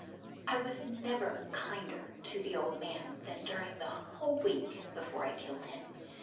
I was never kinder to the old man than during the whole week before I killed him.